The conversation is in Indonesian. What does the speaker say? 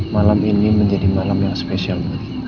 malam ini menjadi malam yang spesial